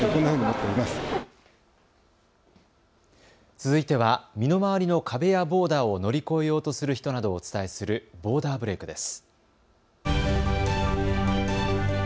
続いては身の回りの壁やボーダーを乗り越えようとする人などをお伝えするボーダーブレイクです。